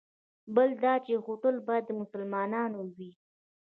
بل دا چې هوټل باید د مسلمانانو وي.